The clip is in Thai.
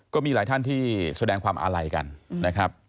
ก็มีหลายท่านที่แสดงความอาลัยกันนะครับ